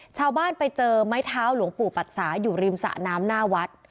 ชาวบ้านไปเจอไม้เท้าหลวงปู่ปัดสาอยู่ริมสะน้ำหน้าวัด